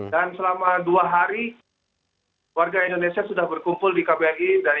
dan selama dua hari warga indonesia sudah berkumpul di kbri